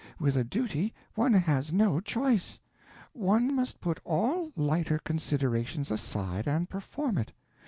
With a duty one has no choice; one must put all lighter considerations aside and perform it.